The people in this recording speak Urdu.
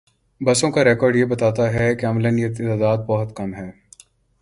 بسوں کا ریکارڈ بتاتا ہے کہ عملا یہ تعداد بہت کم ہے۔